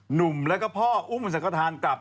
หนุ่มแล้วก็พ่ออุ้มสังฆฐานกลับ